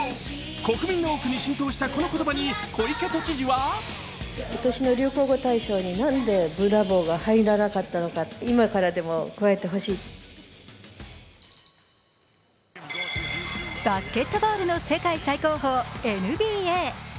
国民の多くに浸透したこの言葉に小池都知事はバスケットボールの世界最高峰、ＮＢＡ。